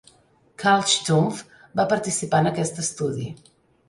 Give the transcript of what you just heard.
Carl Stumpf va participar en aquest estudi.